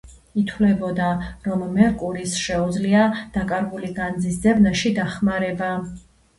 ითვლებოდა, რომ მერკურის შეუძლია დაკარგული განძის ძებნაში დახმარება.